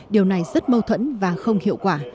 điều này rất mâu thuẫn và không hiệu quả